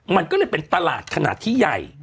มันก็เลยเป็นตลาดขนาดที่ใหญ่